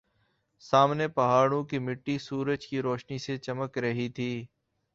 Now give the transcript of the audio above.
سامنے پہاڑوں کی مٹی سورج کی روشنی سے چمک رہی تھی